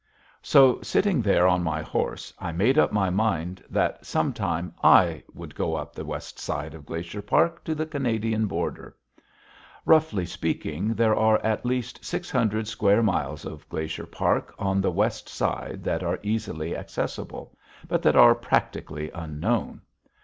So, sitting there on my horse, I made up my mind that sometime I would go up the west side of Glacier Park to the Canadian border. Roughly speaking, there are at least six hundred square miles of Glacier Park on the west side that are easily accessible, but that are practically unknown.